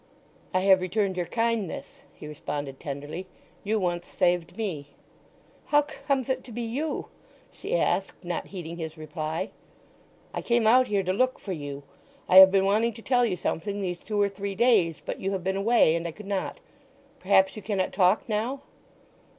"I have returned your kindness," he responded tenderly. "You once saved me." "How—comes it to be you—you?" she asked, not heeding his reply. "I came out here to look for you. I have been wanting to tell you something these two or three days; but you have been away, and I could not. Perhaps you cannot talk now?"